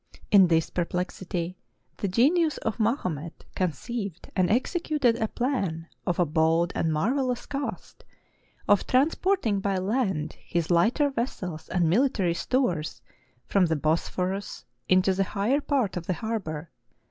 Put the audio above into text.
In this perplexity, the genius of Mahomet conceived and executed a plan of a bold and marvelous cast, of transporting by land his lighter ves sels and military stores from the Bosphorus into the higher part of the harbor.